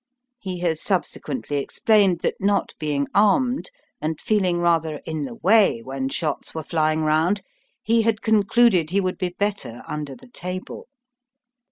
He has subsequently explained that not being armed, and feeling rather in the way when shots were flying round, he had con cluded he would be better under the table.